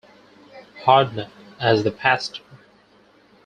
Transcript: Hodnett as the pastor.